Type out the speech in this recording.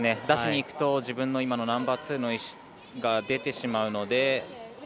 出しにいくと、自分のナンバーツーが出てしまうので。